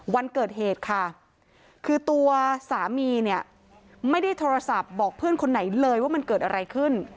วันเกิดเหตุค่ะคือตัวสามีเนี่ยไม่ได้โทรศัพท์บอกเพื่อนคนไหนเลยว่ามันเกิดอะไรขึ้น